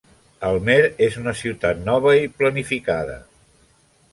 Almere és una ciutat nova i planificada.